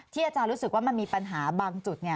อาจารย์รู้สึกว่ามันมีปัญหาบางจุด